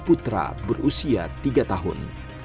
putra berusia tiga tahun